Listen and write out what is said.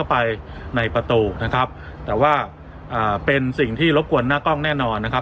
อาจารย์ออสอธิบายเรื่องนี้ว่ายังไงนะคะ